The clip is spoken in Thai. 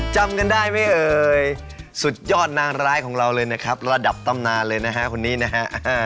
จำกันได้ไหมเอ่ยสุดยอดนางร้ายของเราเลยนะครับระดับตำนานเลยนะฮะคนนี้นะฮะ